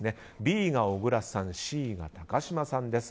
Ｂが小倉さん、Ｃが高嶋さんです。